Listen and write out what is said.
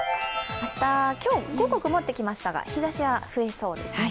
明日、今日午後曇ってきましたが日ざしは増えそうですね。